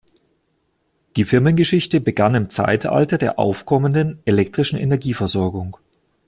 Die Firmengeschichte begann im Zeitalter der aufkommenden elektrischen Energieversorgung.